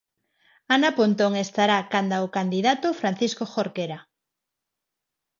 Ana Pontón estará canda o candidato Francisco Jorquera.